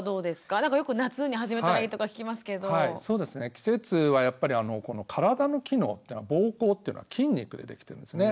季節はやっぱり体の機能というのは膀胱っていうのは筋肉でできてるんですね。